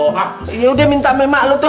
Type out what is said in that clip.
ah yaudah minta sama emak lo tuh